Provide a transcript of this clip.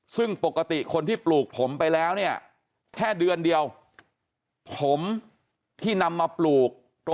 ซึ่งปกติคนที่ปลูกผมไปแล้วเนี่ยแค่เดือนเดียวผมที่นำมาปลูก